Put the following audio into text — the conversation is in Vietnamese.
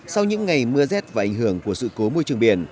sau những ngày mưa rét và ảnh hưởng của sự cố môi trường biển